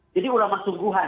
jadi ulama sungguhan